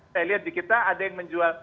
saya lihat di kita ada yang menjual